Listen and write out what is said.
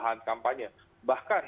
dibandingkan dengan bahan kampanye